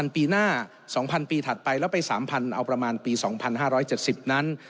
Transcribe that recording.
ปีหน้า๒๐๐ปีถัดไปแล้วไป๓๐๐เอาประมาณปี๒๕๗๐นั้น